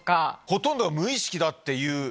ほとんどが無意識だっていう。